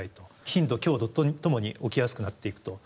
頻度強度ともに起きやすくなっていくと。